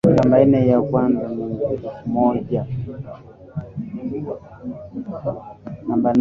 namba nane ya mwaka elfu moja mia tisa themanini na mbili